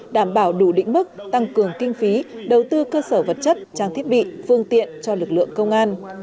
đảm bảo đủ đỉnh mức tăng cường kinh phí đầu tư cơ sở vật chất trang thiết bị phương tiện cho lực lượng công an